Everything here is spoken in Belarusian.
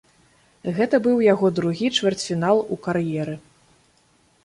Гэта быў яго другі чвэрцьфінал у кар'еры.